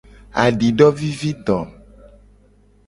Adidovivido.